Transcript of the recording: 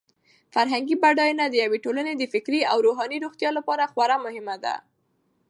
فرهنګي بډاینه د یوې ټولنې د فکري او روحاني روغتیا لپاره خورا مهمه ده.